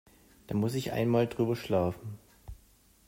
Da muss ich einmal drüber schlafen.